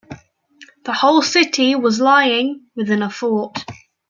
The whole city was lying within a fort.